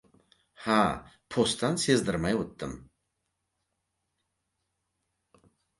- Ha, postdan sezdirmay oʻtdim.